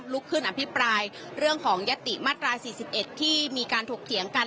ลุกขึ้นอภิปรายเรื่องของยติมาตรา๔๑ที่มีการถกเถียงกัน